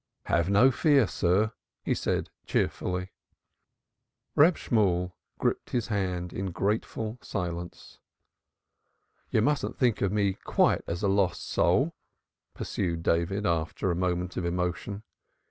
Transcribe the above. "Have no fear, sir," he said cheerfully. Reb Shemuel gripped his hand in grateful silence. "You mustn't think me quite a lost soul," pursued David after a moment of emotion.